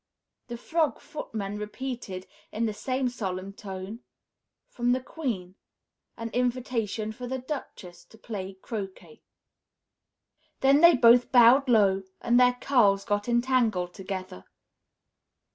The Frog Footman repeated, in the same solemn tone, "From the Queen. An invitation for the Duchess to play croquet." Then they both bowed low and their curls got entangled together.